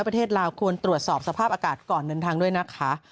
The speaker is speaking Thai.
ประเทศลาวควรตรวจสอบสภาพอากาศก่อนเดินทางด้วยนะคะ